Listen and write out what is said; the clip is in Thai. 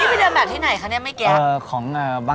นี่ไปเดินแบบที่ไหนคะนี่ไม่แก๊ะ